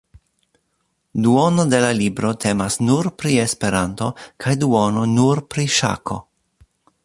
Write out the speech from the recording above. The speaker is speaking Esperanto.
Duono de la libro temas nur pri Esperanto kaj duono nur pri ŝako.